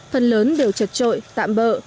phần lớn đều trật trội tạm bỡ